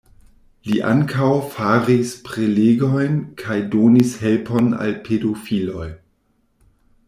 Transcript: Li ankaŭ faris prelegojn kaj donis helpon al pedofiloj.